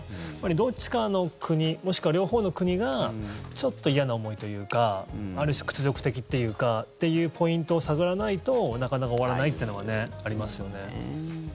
どっちかの国もしくは両方の国がちょっと嫌な思いというかある種、屈辱的というかっていうポイントを探らないとなかなか終わらないというのがありますよね。